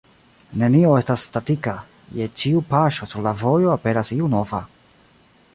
Nenio estas statika, je ĉiu paŝo sur la vojo aperas iu nova.